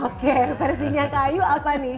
oke versinya kak ayu apa nih